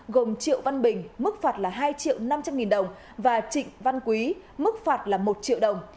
gồm triệu văn bình mức phạt là hai triệu năm trăm linh nghìn đồng và trịnh văn quý mức phạt là một triệu đồng